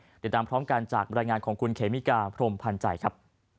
เดี๋ยวตามพร้อมกันจากบรรยายงานของคุณเขมิกาพรมพันธ์ใจครับ